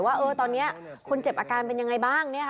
ว่าตอนนี้คนเจ็บอาการเป็นยังไงบ้าง